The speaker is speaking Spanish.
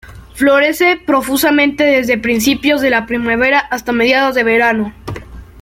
Florece profusamente desde principios de la primavera hasta mediados de verano.